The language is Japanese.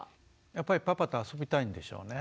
やっぱりパパと遊びたいんでしょうね。